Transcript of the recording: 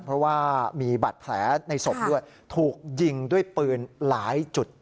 เพราะว่ามีบาดแผลในศพด้วยถูกยิงด้วยปืนหลายจุด